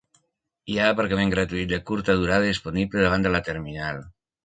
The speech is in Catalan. Hi ha aparcament gratuït de curta durada disponible davant de la terminal.